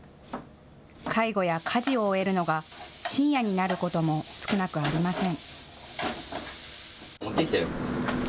介護や家事を終えるのが深夜になることも少なくありません。